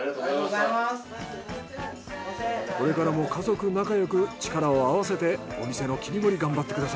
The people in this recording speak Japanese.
これからも家族仲よく力を合わせてお店の切り盛り頑張ってください。